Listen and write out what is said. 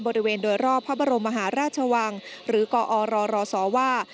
บริเวณโดยรอบพระบรมมหาราชวังหรือกอรรศว่า